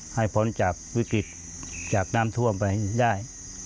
พ้นจากวิกฤตจากน้ำท่วมไปได้